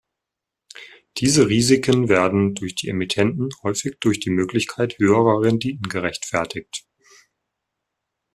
Diese Risiken werden durch die Emittenten häufig durch die Möglichkeit höherer Renditen gerechtfertigt.